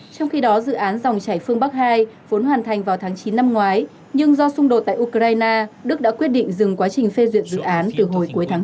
trong khi đó dự án dòng chảy phương bắc hai vốn hoàn thành vào tháng chín năm ngoái nhưng do xung đột tại ukraine đức đã quyết định dừng quá trình phê duyệt dự án từ hồi cuối tháng tám